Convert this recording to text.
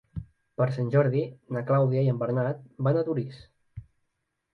Per Sant Jordi na Clàudia i en Bernat van a Torís.